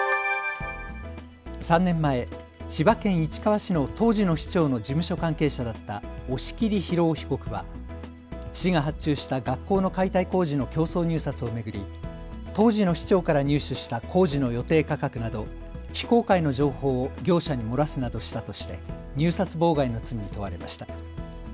３年前、千葉県市川市の当時の市長の事務所関係者だった押切裕雄被告は市が発注した学校の解体工事の競争入札を巡り当時の市長から入手した工事の予定価格など非公開の情報を業者に漏らすなどしたとして入札妨害の罪に問われました。